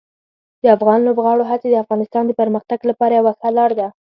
د افغان لوبغاړو هڅې د افغانستان د پرمختګ لپاره یوه ښه لار ده.